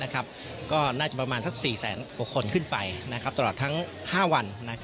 ก็น่าจะประมาณสัก๔แสนกว่าคนขึ้นไปตลอดทั้ง๕วัน